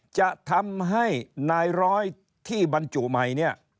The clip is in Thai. จะทำให้นายร้อยที่บรรจุใหม่เนี่ย